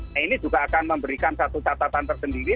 nah ini juga akan memberikan satu catatan tersendiri